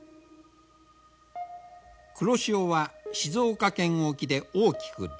黒潮は静岡県沖で大きく蛇行する。